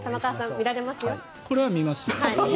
これは見ますよ。